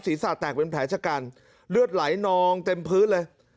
สาแตกเป็นแผลชะกันเลือดไหลนองเต็มพื้นเลย